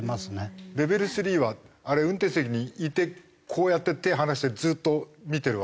レベル３はあれ運転席にいてこうやって手を放してずっと見てるわけ？